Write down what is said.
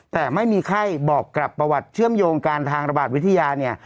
แต่ไม่มีไข้บอกกลับประวัติเชื่อมโยงการทางระบาดวิทยาเนี่ย